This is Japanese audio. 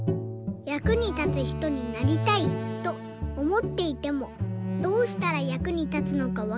「役に立つひとになりたいとおもっていてもどうしたら役に立つのかわかりません。